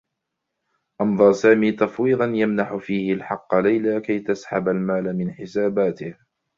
أمضى سامي تفويضا يمنح فيه الحقّ ليلى كي تسحب المال من حساباته.